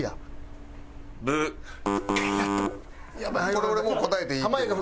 これ俺もう答えていいって事？